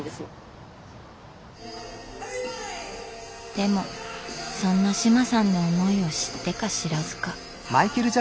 でもそんな志麻さんの思いを知ってか知らずか。